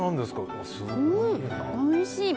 おいしい。